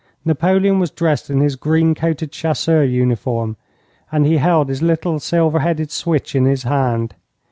Napoleon was dressed in his green coated chasseur uniform, and he held his little, silver headed switch in his hand.